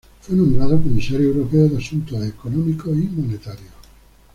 Fue nombrado Comisario Europeo de Asuntos Económicos y Monetarios.